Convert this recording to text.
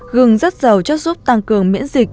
gừng rất giàu cho giúp tăng cường miễn dịch